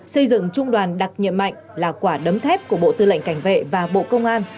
xây dựng trung đoàn đặc nhiệm mạnh là quả đấm thép của bộ tư lệnh cảnh vệ và bộ công an